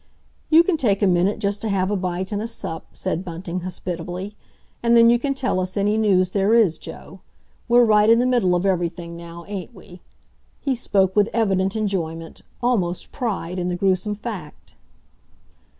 "You can take a minute just to have a bite and a sup," said Bunting hospitably; "and then you can tell us any news there is, Joe. We're right in the middle of everything now, ain't we?" He spoke with evident enjoyment, almost pride, in the gruesome fact.